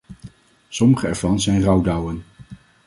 Sommige ervan zijn rouwdouwen.